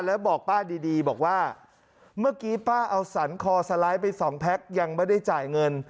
แล้วบอกป้าดีบอกว่าเมื่อกี้ป้าเอาสรรคอสไลด์ไปสองแพ็คยังไม่ได้จ่ายเงิน